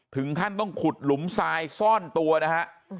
ถึงขั้นต้องขุดหลุมทรายซ่อนตัวนะฮะ